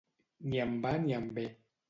Ni em va ni em ve.